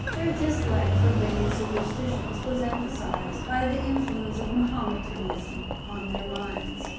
Their dislike for vain superstitions was emphasized by the influence of Mahometanism on their minds.